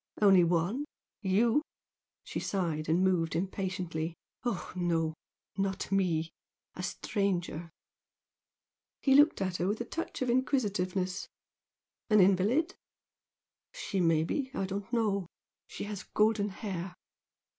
"Only one? You?" She sighed, and moved impatiently. "Oh, no! Not me. A stranger." He looked at her with a touch of inquisitiveness. "An invalid?" "She may be. I don't know. She has golden hair."